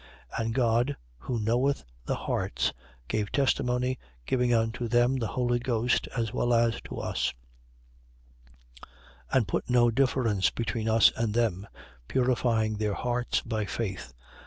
15:8. And God, who knoweth the hearts, gave testimony, giving unto them the Holy Ghost, as well as to us: 15:9. And put no difference between us and them, purifying their hearts by faith.